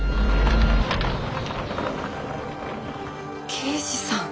刑事さん。